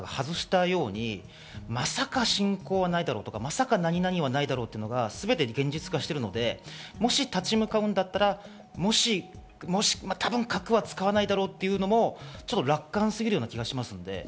ただ私、ロシアの専門家方がこれまで外したように、まさか侵攻はないだろうと、まさか何々はないだろうというのがすべて現実化しているので、もし立ち向かうんだったら多分、核は使わないだろうというのも楽観すぎるような気がします。